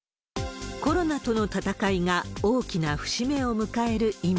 コロナとの闘いが大きな節目を迎える今。